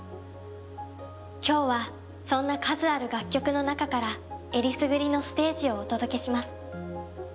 今日はそんな数ある楽曲の中からえりすぐりのステージをお届けします